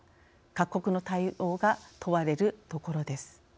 各国の対応が問われるところです。